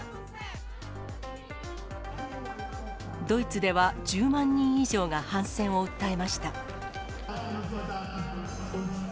ドイツでは１０万人以上が反戦を訴えました。